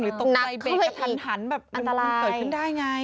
หรือตกใจเบรกกับทันแบบมันเกิดขึ้นได้ไง